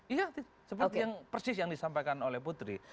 iya seperti yang persis yang disampaikan oleh putri